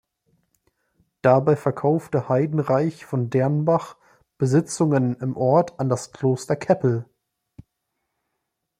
Dabei verkaufte Heydenreich von Dernbach Besitzungen im Ort an das Kloster Keppel.